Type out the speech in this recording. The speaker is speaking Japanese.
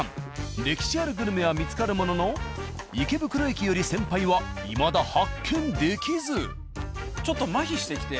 歴史あるグルメは見つかるものの池袋駅より先輩はいまだ発見できず。